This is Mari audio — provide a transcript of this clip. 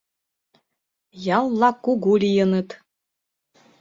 Ял-влак кугу лийыныт.